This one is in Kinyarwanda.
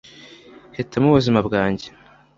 nahitamo ubuzima bwanjye